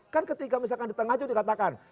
kan ketika misalkan di tengah juga dikatakan